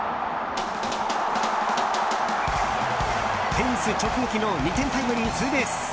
フェンス直撃の２点タイムリーツーベース。